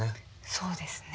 そうですね。